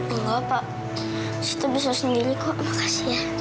enggak pak suti bisa sendiri kok makasih ya